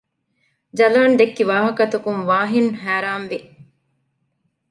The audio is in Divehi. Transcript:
ޖަލާން ދެއްކި ވާހަކަ ތަކުން ވާހިން ހައިރާން ވި